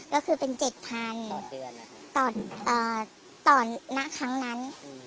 ก็คือเป็น๗๐๐ต่อณครั้งนั้น